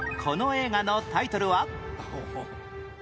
この映画のタイトルは？